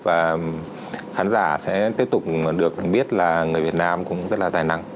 và khán giả sẽ tiếp tục được biết là người việt nam cũng rất là tài năng